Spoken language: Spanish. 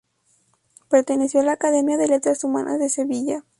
Perteneció a la Academia de Letras Humanas de Sevilla.